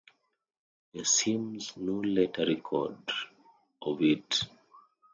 There seems no later record of it.